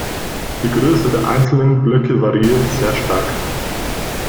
Die Größe der einzelnen Blöcke variiert sehr stark.